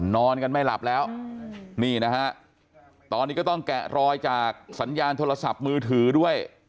นอนกันไม่หลับแล้วนี่นะฮะตอนนี้ก็ต้องแกะรอยจากสัญญาณโทรศัพท์มือถือด้วย